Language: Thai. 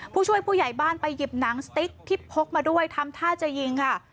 ผู้ช่วยผู้ใหญ่บ้านไปหยิบหนังสติ๊กที่พกมาด้วยทำท่าจะยิงค่ะ